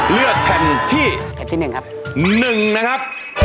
เลือกแผ่นที่๑นะครับ